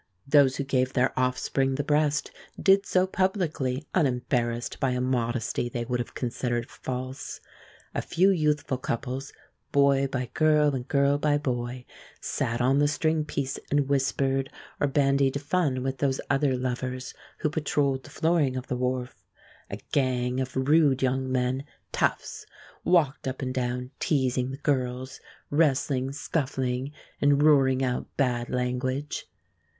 Those who gave their offspring the breast did so publicly, unembarrassed by a modesty they would have considered false. A few youthful couples, boy by girl and girl by boy, sat on the string piece and whispered, or bandied fun with those other lovers who patrolled the flooring of the wharf. A "gang" of rude young men toughs walked up and down, teasing the girls, wrestling, scuffling, and roaring out bad language.